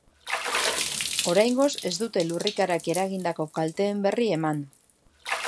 Oraingoz ez dute lurrikarak eragindako kalteen berri eman.